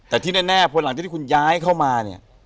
แต่ที่แน่พอหลังที่คุณย้ายเข้ามา